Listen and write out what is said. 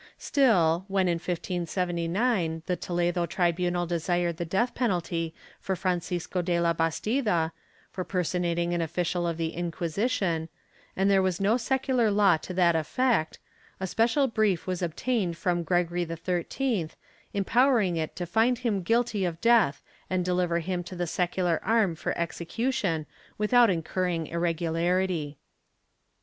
'* Still, when in 1579, the Toledo tribunal desired the death penalty for Francisco de la Bastida, for personating an official of the Inquisition, and there was no secular law to that effect, a special brief was obtained from Gregory XIII empowering it to find him guilty of death and deliver him to the secular arm for execution without incurring irregularity.